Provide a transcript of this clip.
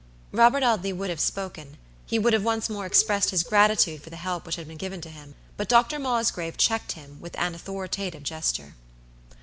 Robert Audley would have spoken, he would have once more expressed his gratitude for the help which had been given to him, but Dr. Mosgrave checked him with an authoritative gesture.